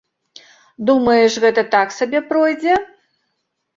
Думаеш, гэта так сабе пройдзе?